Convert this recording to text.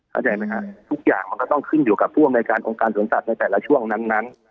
เข้าใจไหมครับทุกอย่างมันก็ต้องขึ้นอยู่กับผู้อำนวยการองค์การสวนสัตว์ในแต่ละช่วงนั้น